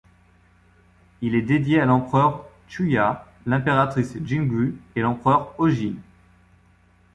Il est dédié à l'empereur Chūai, l'impératrice Jingū et l'empereur Ōjin.